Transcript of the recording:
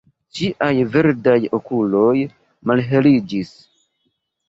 Ŝiaj verdaj okuloj malheliĝis.